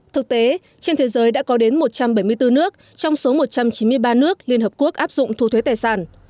thực tế trên thế giới đã có đến một trăm bảy mươi bốn nước trong số một trăm chín mươi ba nước liên hợp quốc áp dụng thu thuế tài sản